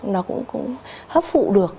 nó cũng hấp phụ được